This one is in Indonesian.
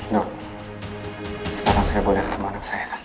nuk sekarang saya boleh kemana mana